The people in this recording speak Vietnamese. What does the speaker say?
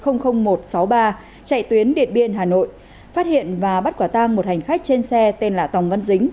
chạy tuyến điện biên hà nội phát hiện và bắt quả tang một hành khách trên xe tên là tòng văn dính